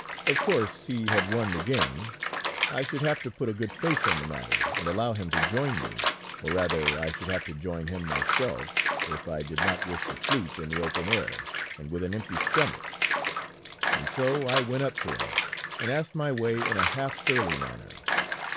"Of course he had won the game! I should have to put a good face on the matter, and allow him to join me, or rather I should have to join him myself, if I did not wish to sleep in the open air and with an empty stomach, and so I went up to him, and asked my way in a half surly manner.